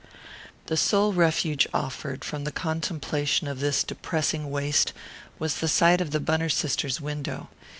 The sole refuge offered from the contemplation of this depressing waste was the sight of the Bunner Sisters' window.